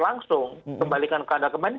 langsung kembalikan ke anda kemen